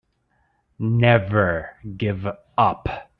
Never give up.